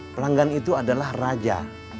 pelanggan itu adalah raja